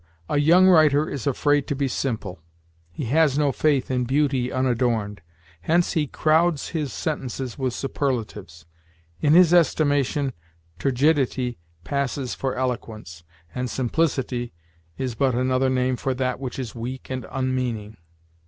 "A young writer is afraid to be simple; he has no faith in beauty unadorned, hence he crowds his sentences with superlatives. In his estimation, turgidity passes for eloquence, and simplicity is but another name for that which is weak and unmeaning."